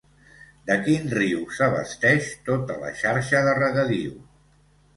De quin riu s'abasteix tota la xarxa de regadiu?